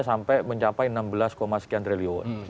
sampai mencapai enam belas sekian triliun